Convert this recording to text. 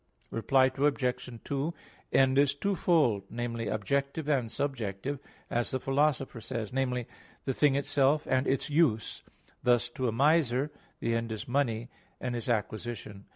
Reply Obj. 2: End is twofold, namely, objective and subjective, as the Philosopher says (Greater Ethics i, 3), namely, the "thing itself" and "its use." Thus to a miser the end is money, and its acquisition.